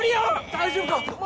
大丈夫か？